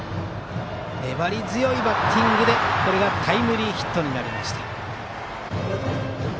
粘り強いバッティングでこれがタイムリーヒットになりました。